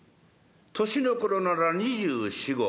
年の頃なら２４２５。